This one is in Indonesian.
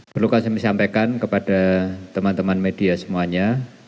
perlu saya menyampaikan kepada teman teman media semuanya